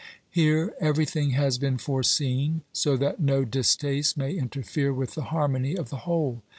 Here everything 286 OBERMANN has been foreseen, so that no distaste may interfere with the harmony of the whole.